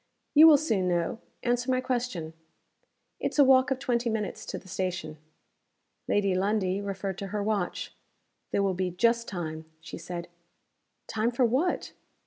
"You will soon know. Answer my question." "It's a walk of twenty minutes to the station." Lady Lundie referred to her watch. "There will be just time," she said. "Time for what?"